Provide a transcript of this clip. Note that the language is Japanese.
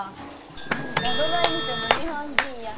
あんたどない見ても日本人や。